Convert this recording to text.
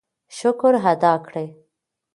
شکر ادا کړئ.